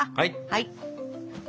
はい！